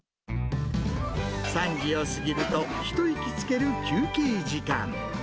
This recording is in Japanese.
３時を過ぎると一息つける休憩時間。